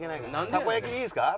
たこ焼きでいいですか？